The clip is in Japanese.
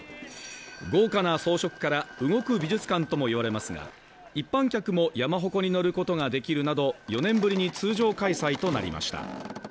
豪華な装飾から動く美術館とも言われますが、一般客も山鉾に乗ることができるなど、４年ぶりに通常開催となりました。